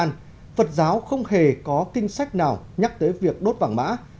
nói chung là phật giáo không hề có kinh sách nào nhắc tới việc đốt vàng mã